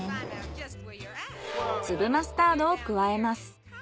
粒マスタードを加えます。